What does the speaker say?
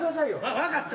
分かった。